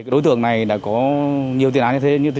đối tượng này đã có nhiều tiền án như thế